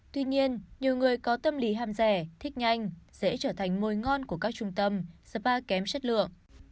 tuy nhiên nhiều người có tâm lý ham rẻ thích nhanh sẽ trở thành mồi ngon của các trung tâm spa kém chất lượng